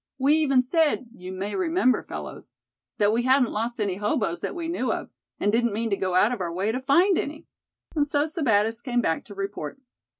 We even said, you may remember, fellows, that we hadn't lost any hoboes that we knew of, and didn't mean to go out of our way to find any. And so Sebattis came back to report."